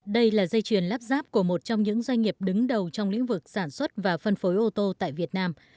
đây là dây chuyền lắp ráp của một trong những doanh nghiệp đứng đầu trong lĩnh vực sản xuất và phân phối ô tô tại việt nam